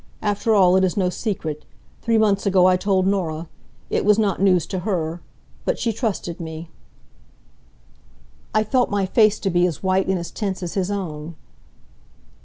After all, it is no secret. Three months ago I told Norah. It was not news to her. But she trusted me." I felt my face to be as white and as tense as his own.